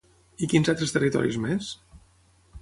I quins altres territoris més?